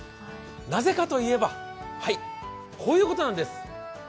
なぜかといえば、はい、こういうことなんです！